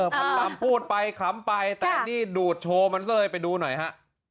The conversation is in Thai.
พันลำพูดไปขำไปแต่นี่ดูดโชว์มันซะเลยไปดูหน่อยฮะ